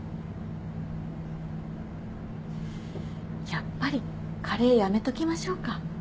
やっぱりカレーやめときましょうか。